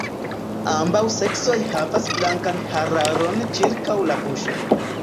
Ambaŭ seksoj havas blankan hararon ĉirkaŭ la buŝo.